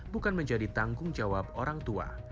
bukan menjadi tanggung jawab orang tua